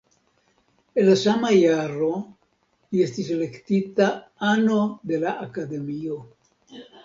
En la sama jaro li estis elektita ano de la Akademio.